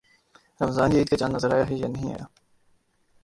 رمضان یا عید کا چاند نظر آیا ہے یا نہیں آیا؟